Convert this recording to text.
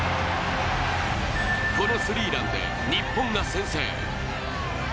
このスリーランで日本が先制。